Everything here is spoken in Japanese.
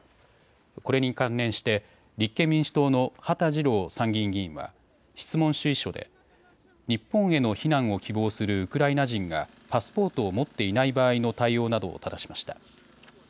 これに関連して立憲民主党の羽田次郎参議院議員は質問主意書で日本への避難を希望するウクライナ人がパスポートを持っていない場合の対応などをただしました。